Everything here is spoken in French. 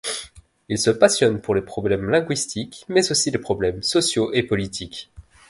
Il se passionne pour les problèmes linguistiques, mais aussi les problèmes sociaux et politiques.